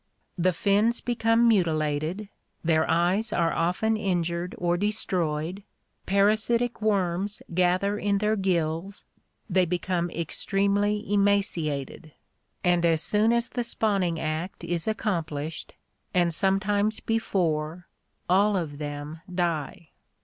The fins become mutilated, their eyes are often injured or de stroyed, parasitic worms gather in their gills, they become extremely emaciated ... and as soon as the spawning act is accomplished, and sometimes before, all of them die.